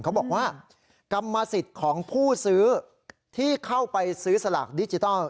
บอกว่ากรรมสิทธิ์ของผู้ซื้อที่เข้าไปซื้อสลากดิจิทัล